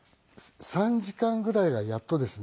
３時間ぐらいがやっとですね。